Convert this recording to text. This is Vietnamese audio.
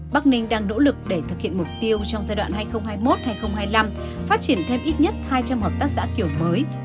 bắc ninh đang nỗ lực để thực hiện mục tiêu trong giai đoạn hai nghìn hai mươi một hai nghìn hai mươi năm phát triển thêm ít nhất hai trăm linh hợp tác xã kiểu mới